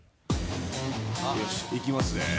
よしいきますね。